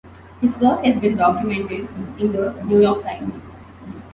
His work has been documented in "The New York Times".